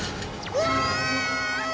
うわ！